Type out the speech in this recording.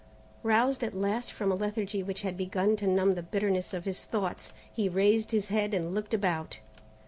Roused at last from a lethargy which had begun to numb the bitterness of his thoughts, he raised his head and looked about.